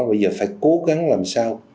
bây giờ phải cố gắng làm sao